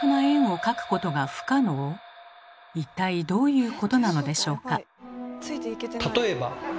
一体どういうことなのでしょうか。